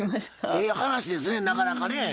ええ話ですねなかなかね。